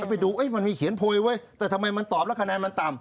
ไปดูมันมีเขียนโพยไว้แต่ทำไมมันตอบแล้วคะแนนมันต่ำ